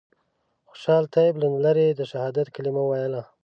خوشحال طیب له لرې د شهادت کلمه ویله.